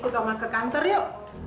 ikut sama aku ke kantor yuk